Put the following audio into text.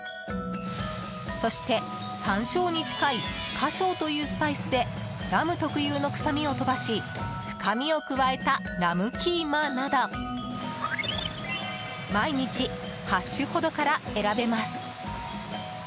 そして、山椒に近いかしょうというスパイスでラム特有の臭みを飛ばし深みを加えたラムキーマなど毎日８種ほどから選べます。